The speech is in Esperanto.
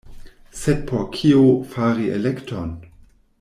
Sed por kio fari elekton?